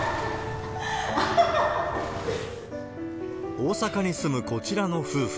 大阪に住むこちらの夫婦。